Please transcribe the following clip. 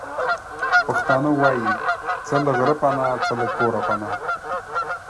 پښتانه وايې:څه له غره پنا، څه له کوره پنا.